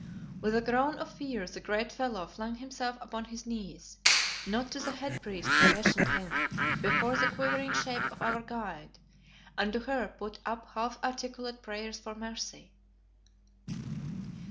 With a groan of fear the great fellow flung himself upon his knees, not to the head priest who questioned him, but before the quivering shape of our guide, and to her put up half articulate prayers for mercy.